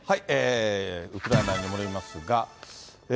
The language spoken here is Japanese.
ウクライナに戻りますが。